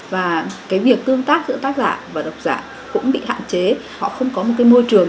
và cái việc tương tác giữa tác giả và đọc giả cũng bị hạn chế họ không có một cái môi trường